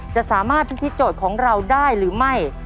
จะสามารถพิธีโจทย์ของเราได้หรือไม่